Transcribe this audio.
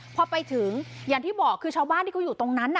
พอไปถึงอย่างที่บอกคือชาวบ้านที่เขาอยู่ตรงนั้น